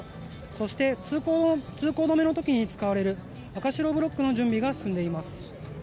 そして、通行止めの時に使われる赤白ブロックの準備が進んでいます。